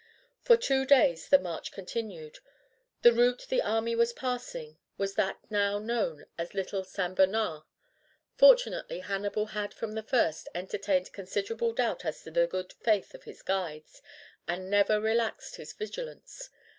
For two days the march continued. The route the army was passing was that now known as the little St. Bernard. Fortunately Hannibal had from the first entertained considerable doubt as to the good faith of his guides, and never relaxed his vigilance.